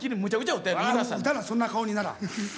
打たなそんな顔にならん。